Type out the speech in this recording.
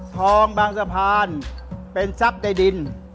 ทองบางสะพานเป็นทรัพย์ในดิน